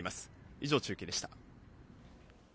以上、中継でした。